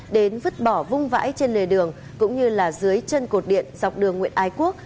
đến vứt bỏ vung vãi trên lề đường cũng như là dưới chân cột điện dọc đường nguyễn ái quốc